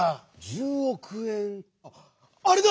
あっあれだ！